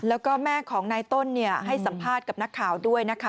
แล้วก็แม่ของนายต้นให้สัมภาษณ์กับนักข่าวด้วยนะคะ